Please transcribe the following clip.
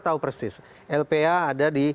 tahu persis lpa ada di